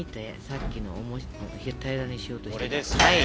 さっきの平らにしようとしたやつ。